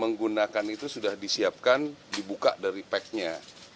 menggunakan itu sudah disiapkan dibuka dari packnya